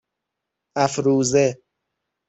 افروزه